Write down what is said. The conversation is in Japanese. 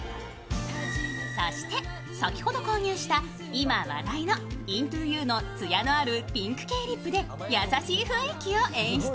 そして先ほど購入した今話題のＩＮＴＯＵのツヤのあるピンク系リップで優しい雰囲気を演出。